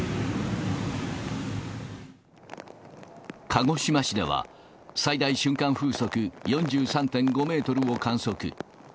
鹿児島市では、最大瞬間風速４３．５メートルを観測。